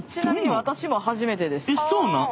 そうなん？